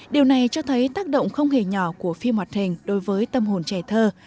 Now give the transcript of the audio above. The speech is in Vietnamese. điều này cho thấy tác động không hề nhỏ của phim hoạt hình đối với tâm hồn trẻ thơ